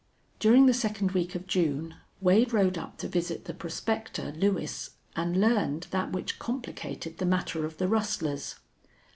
During the second week of June Wade rode up to visit the prospector, Lewis, and learned that which complicated the matter of the rustlers.